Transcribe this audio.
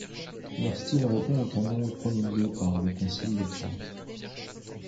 Leur style répond aux canons promulgués par le Concile de Trente.